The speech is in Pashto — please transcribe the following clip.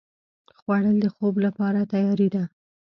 خوړل د خوب لپاره تیاري ده